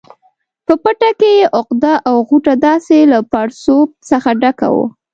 په پټه کې یې عقده او غوټه داسې له پړسوب څخه ډکه وه.